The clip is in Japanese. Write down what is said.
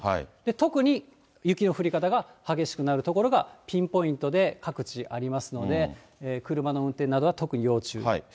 特に雪の降り方が激しくなる所が、ピンポイントで各地ありますので、車の運転などは特に要注意。